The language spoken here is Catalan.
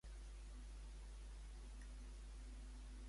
Biant i Lisipe van tenir descendència, també?